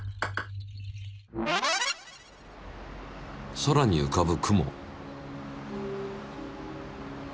空にうかぶ雲。